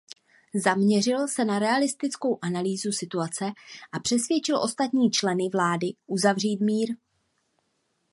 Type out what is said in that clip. Zaměřil se na realistickou analýzu situace a přesvědčil ostatní členy vlády uzavřít mír.